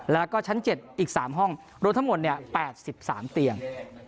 แล้วก็ชั้น๗อีก๓ห้องรวมทั้งหมด๘๓เตียง